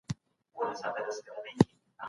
که باران وشي، زه به پاتې شم.